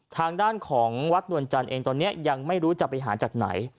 ทางด้านของวัดนวลจันทร์เองตอนนี้ยังไม่รู้จะไปหาจากไหน